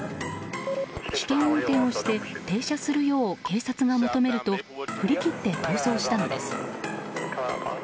危険運転をして停車するよう警察が求めると振り切って逃走したのです。